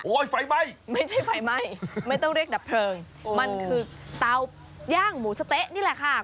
ไฟไหม้ไม่ใช่ไฟไหม้ไม่ต้องเรียกดับเพลิงมันคือเตาย่างหมูสะเต๊ะนี่แหละค่ะ